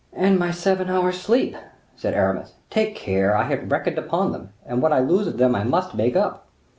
"And my seven hours' sleep!" said Aramis: "Take care; I had reckoned upon them, and what I lose of them I must make up."